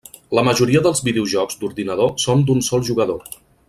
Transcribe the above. La majoria dels videojocs d'ordinador són d'un sol jugador.